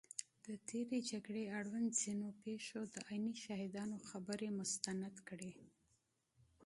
د تېرې جګړې اړوند ځینو پېښو د عیني شاهدانو خبرې مستند کړي